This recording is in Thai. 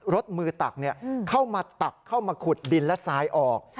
รถมือตักเข้ามาตักเข้ามาขุดดินและทรายออก